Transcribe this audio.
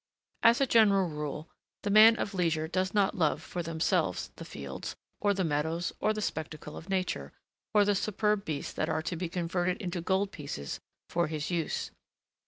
As a general rule, the man of leisure does not love, for themselves, the fields, or the meadows, or the spectacle of nature, or the superb beasts that are to be converted into gold pieces for his use.